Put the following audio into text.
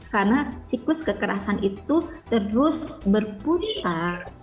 karena siklus kekerasan itu terus berputar